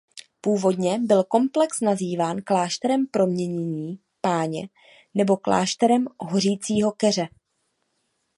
Původně byl komplex nazýván klášterem Proměnění Páně nebo klášterem Hořícího keře.